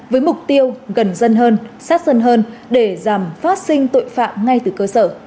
với mục tiêu gần dân hơn sát dân hơn để giảm phát sinh tội phạm ngay từ cơ sở